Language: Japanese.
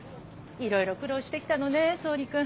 いろいろ苦労してきたのね総理君。